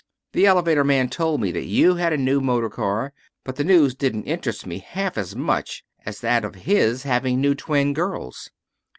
The elevator man told me that you had a new motor car, but the news didn't interest me half as much as that of his having new twin girls.